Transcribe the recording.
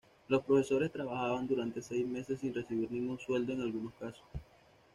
Los profesores trabajaban durante meses sin recibir ningún sueldo en algunos casos.